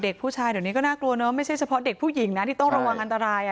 ผู้ชายเดี๋ยวนี้ก็น่ากลัวเนอะไม่ใช่เฉพาะเด็กผู้หญิงนะที่ต้องระวังอันตราย